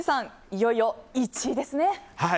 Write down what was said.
いよいよ、１位ですね。